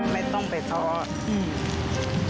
ไม่ต้องไปท้อ